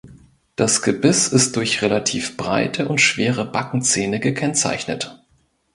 Das Gebiss ist durch relativ breite und schwere Backenzähne gekennzeichnet.